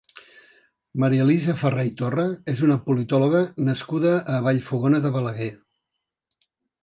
Marialisa Farré i Torra és una politòloga nascuda a Vallfogona de Balaguer.